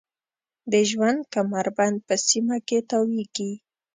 د ژوند کمربند په سیمه کې تاویږي.